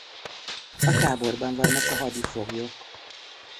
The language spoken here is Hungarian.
A táborban vannak a hadifoglyok.